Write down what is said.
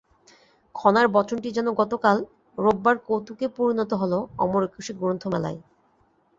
খনার বচনটি যেন গতকাল রোববার কৌতুকে পরিণত হলো অমর একুশে গ্রন্থমেলায়।